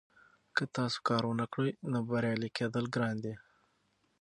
که تاسو کار ونکړئ نو بریالي کیدل ګران دي.